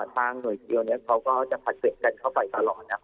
ทางหน่วยดินเกียร์เนี่ยเขาก็จะพัดเตะกันเข้าไปก่อน